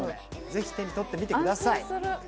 ぜひ、手にとってみてください。